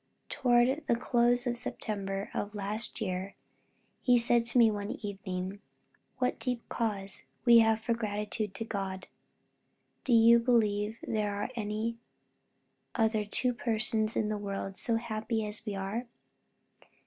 Toward the close of September of last year, he said to me one evening, "What deep cause have we for gratitude to God! do you believe there are any other two persons in the wide world so happy as we are?"